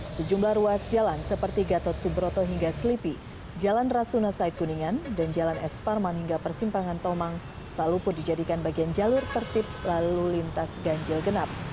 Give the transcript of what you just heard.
sejumlah ruas jalan seperti gatot subroto hingga selipi jalan rasuna said kuningan dan jalan es parman hingga persimpangan tomang tak luput dijadikan bagian jalur tertib lalu lintas ganjil genap